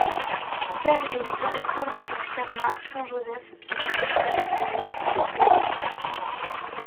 Son père est le directeur de l'externat Saint-Joseph, sa mère en est l'économe.